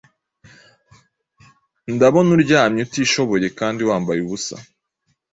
Ndabona uryamye utishoboye kandi wambaye ubusa,